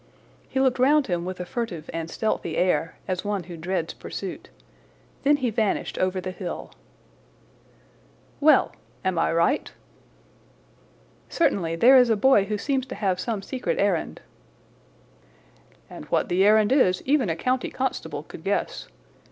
He looked round him with a furtive and stealthy air, as one who dreads pursuit. Then he vanished over the hill. "Well! Am I right?" "Certainly, there is a boy who seems to have some secret errand." "And what the errand is even a county constable could guess.